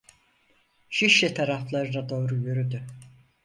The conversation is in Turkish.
Şişli taraflarına doğru yürüdü.